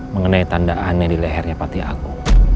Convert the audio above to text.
mengenai tanda aneh di lehernya pati agung